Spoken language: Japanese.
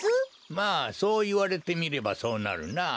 まあそういわれてみればそうなるなあ。